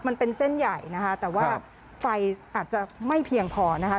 มันเป็นเส้นใหญ่นะคะแต่ว่าไฟอาจจะไม่เพียงพอนะคะ